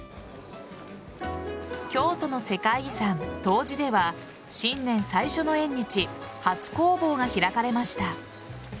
京都の世界遺産・東寺では新年最初の縁日初弘法が開かれました。